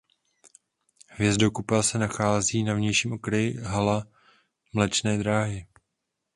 Hvězdokupa se nachází na vnějším okraji hala Mléčné dráhy.